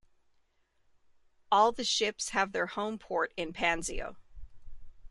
All the ships have their home port in Pansio.